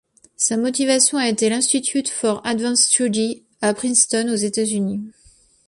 Sa motivation a été l'Institute for Advanced Study, à Princeton, aux États-Unis.